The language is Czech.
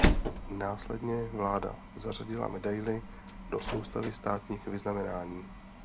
Následně vláda zařadila medaili do soustavy státních vyznamenání.